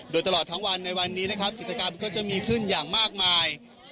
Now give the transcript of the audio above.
โดยตลอดทั้งวันในวันนี้นะครับกิจกรรมก็จะมีขึ้นอย่างมากมาย